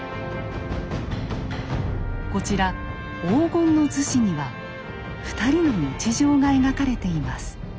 こちら「黄金の厨子」には２人の日常が描かれています。